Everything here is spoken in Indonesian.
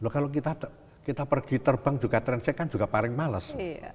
kalau kita pergi terbang juga transit kan juga paling males